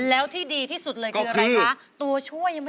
แล้วที่ดีที่สุดเลยคืออะไรคะ